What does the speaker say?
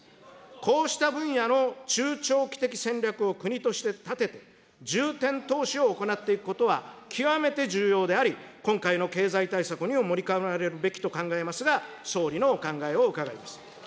こうした分野の中長期的戦略を国として立てて、重点投資を行っていくことは極めて重要であり、今回の経済対策にも盛り込まれるべきと考えますが、総理のお考えを伺います。